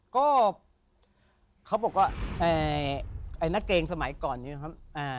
ก็เขาบอกว่าไอ้นักเกงสมัยก่อนนี้นะครับ